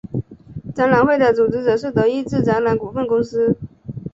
展览会的组织者是德意志展览股份公司。